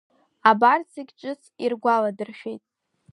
Абарҭ зегь ҿыц иргәаладыршәеит.